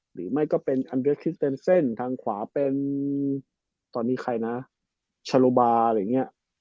หรือไม่ก็เป็นอันเดิร์สฮิชเดนเซ่นทางขวาเป็นตอนนี้ใครนะชะโลบาหลัง๓